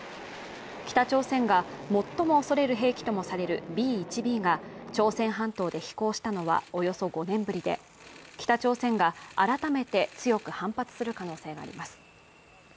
北朝鮮が最も恐れる兵器ともされるＢ−１Ｂが朝鮮半島で飛行したのはおよそ５年ぶりで北朝鮮が改めて強く反発する可能性があります。